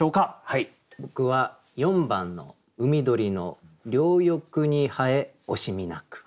はい僕は４番の「海鳥の両翼に南風惜しみなく」。